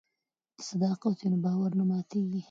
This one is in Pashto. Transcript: که صداقت وي نو باور نه ماتیږي.